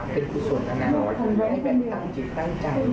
เป็นคุณส่วนอันนั้นให้แบรนด์ตั้งจิตตั้งใจ